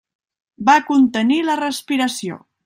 Va contenir la respiració.